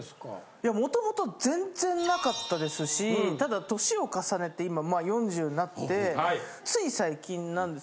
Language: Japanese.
いや元々全然なかったですしただ年を重ねて今４０なってつい最近なんです。